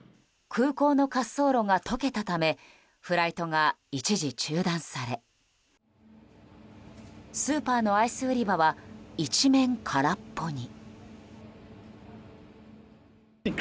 空港の滑走路が溶けたためフライトが一時中断されスーパーのアイス売り場は一面、空っぽに。